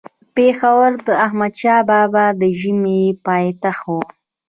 پيښور د احمدشاه بابا د ژمي پايتخت وو